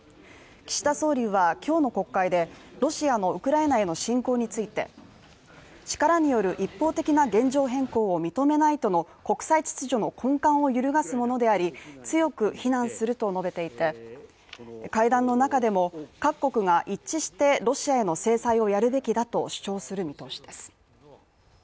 岸田総理は今日の国会でロシアのウクライナへの侵攻について力による一方的な現状変更を認めないとの国際秩序の根幹を揺るがすものであり、強く非難すると述べていて、会談の中でも各国が一致してロシアへの制裁をやるべきだと主張する見通しです。